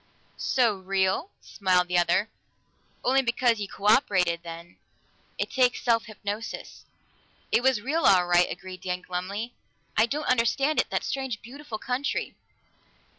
"So real?" smiled the other. "Only because you co operated, then. It takes self hypnosis." "It was real, all right," agreed Dan glumly. "I don't understand it that strange beautiful country."